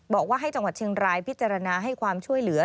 บอกว่าให้จังหวัดเชียงรายพิจารณาให้ความช่วยเหลือ